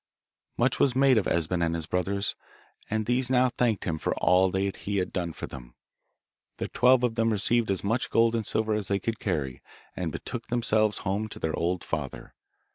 Much was made of Esben and his brothers, and these now thanked him for all that he had done for them. The twelve of them received as much gold and silver as they could carry, and betook themselves home to their old father.